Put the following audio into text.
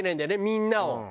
みんなを。